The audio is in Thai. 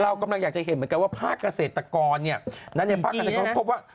เรากำลังอยากจะเห็นว่าภาพเกษตรกรเนี่ยเนี่ยภาพเกษตรกรพบว่า